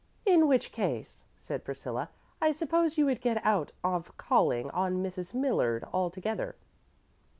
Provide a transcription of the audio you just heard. "In which case," said Priscilla, "I suppose you would get out of calling on Mrs. Millard altogether."